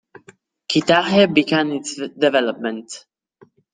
Qitaihe began its development.